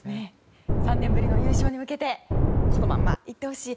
３年ぶりの優勝に向けてこのまま行ってほしい。